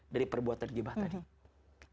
dari perbuatan gibah tadi